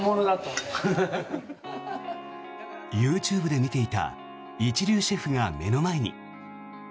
ＹｏｕＴｕｂｅで見ていた一流シェフが目の前に。